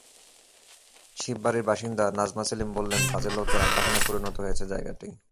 শিববাড়ির বাসিন্দা নাজমা সেলিম বললেন, বাজে লোকদের আড্ডাখানায় পরিণত হয়েছে জায়গাটি।